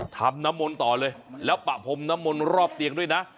ทำน้ำมนต์ต่อเลยแล้วปะพรมน้ำมนต์รอบเตียงด้วยนะ